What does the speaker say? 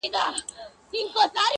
چي پنیر یې وو له خولې څخه وتلی-